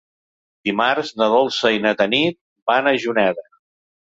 Dimarts na Dolça i na Tanit van a Juneda.